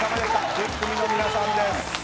１０組の皆さんです。